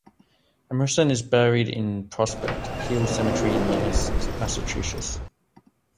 Emerson is buried in Prospect Hill Cemetery in Millis, Massachusetts.